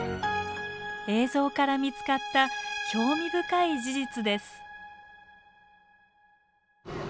映像から見つかった興味深い事実です。